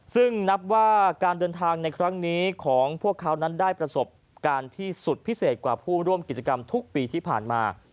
ซึ่งนับว่าการเดินทางในครั้งนี้ของพวกเขานั้นได้ประสบการณ์ที่สุดพิเศษกว่าผู้ร่วมกิจกรรมทุกปีที่ผ่านมา